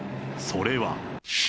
それは。